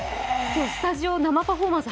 今日スタジオ生パフォーマンス